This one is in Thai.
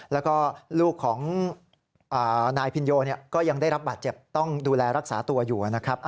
แล้วก็ลูกของนายพินโยก็ยังได้รับบาดเจ็บต้องดูแลรักษาตัวอยู่นะครับ